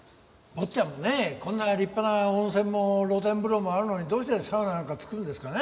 坊ちゃんもねこんな立派な温泉も露天風呂もあるのにどうしてサウナなんか作るんですかね？